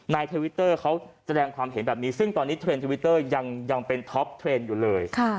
ทวิตเตอร์เขาแสดงความเห็นแบบนี้ซึ่งตอนนี้เทรนด์ทวิตเตอร์ยังเป็นท็อปเทรนด์อยู่เลย